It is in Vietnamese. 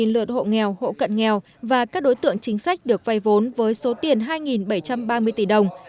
chín mươi bảy lượt hộ nghèo hộ cận nghèo và các đối tượng chính sách được vai vốn với số tiền hai bảy trăm ba mươi tỷ đồng